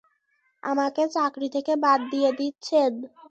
আমাকে চাকরি থেকে বাদ দিয়ে দিচ্ছেন?